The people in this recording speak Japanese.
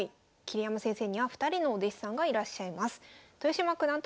桐山先生には２人のお弟子さんがいらっしゃいます。